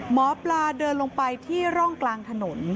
หมอปลาเดินลงไปที่ร่องกลางถนน